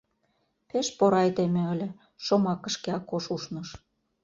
— Пеш поро айдеме ыле, — шомакышке Акош ушныш.